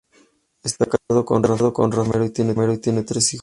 Está casado con Rafaela Romero y tiene tres hijos.